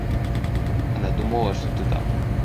Она думала, что ты там.